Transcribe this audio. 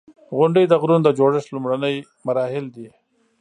• غونډۍ د غرونو د جوړښت لومړني مراحل دي.